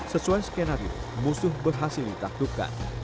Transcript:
sesuai skenario musuh berhasil ditaklukkan